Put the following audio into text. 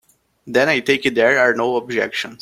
Then I take it there are no objections.